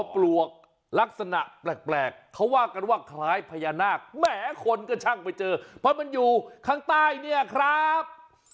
ปลวกลักษณะแปลกเขาว่ากันว่าคล้ายพญานาคแหมคนก็ช่างไปเจอเพราะมันอยู่ข้างใต้เนี่ยครับ